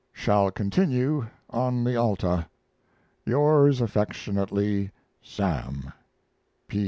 Shall continue on the Alta. Yours affectionately, SAM.